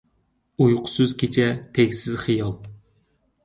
ئۇيقۇسىز كېچە تەگسىز خىيال!